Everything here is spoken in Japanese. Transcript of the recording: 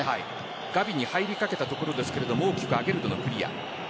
ガヴィに入りかけたところですが大きくアゲルドのクリア。